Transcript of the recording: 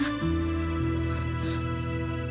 ada buktinya mira